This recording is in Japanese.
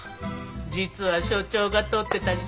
実は所長が盗ってたりして。